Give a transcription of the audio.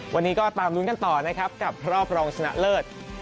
วันนี้ก็ตามลุ้นกันต่อนะครับกับรอบรองชนะเลิศ